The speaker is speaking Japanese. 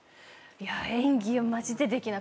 演技はマジでできなくて。